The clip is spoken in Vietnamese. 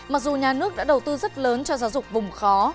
mặc dù nhà nước đã đầu tư rất lớn cho giáo dục vùng khó